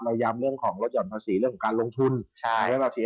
เราย้ำเรื่องของรถยอดภาษีเรื่องของการลงทุน